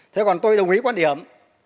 thế còn tôi đồng ý quan điểm